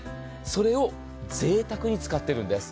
それをぜいたくに使ってるんです。